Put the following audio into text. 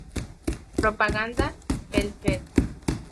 Propaganda Pel Fet!